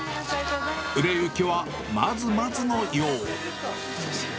売れ行きはまずまずのよう。